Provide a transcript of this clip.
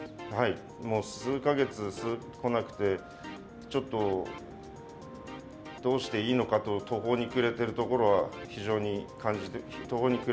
もう数か月来なくて、ちょっと、どうしていいのかと途方に暮れてるところは、非常に。